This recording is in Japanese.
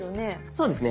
そうですね。